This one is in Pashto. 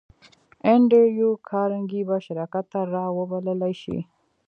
انډريو کارنګي به شراکت ته را وبللای شې؟